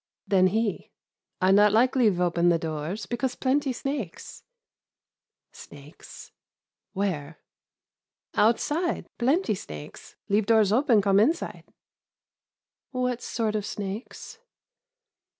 Then he, "I not like leave open the doors, because plenty snakes." "Snakes: where?" "Outside, plenty snakes, leave doors open come inside." "What sort of snakes?"